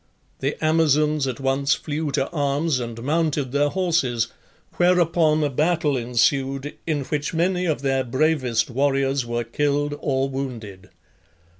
The Amazons at once flew to arms and mounted their horses, whereupon a battle ensued, in which many of their bravest warriors were killed or wounded.